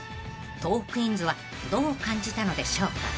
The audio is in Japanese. ［トークィーンズはどう感じたのでしょうか］